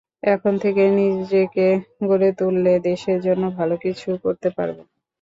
এখন থেকে নিজেকে গড়ে তুললে দেশের জন্য ভালো কিছু করতে পারব।